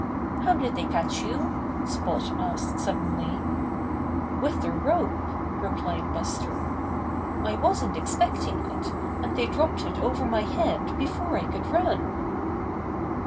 "How did they catch you?" Spot asked sud denly. "With a rope," replied Buster. "I wasn't expecting it, and they dropped it over my head before I could run."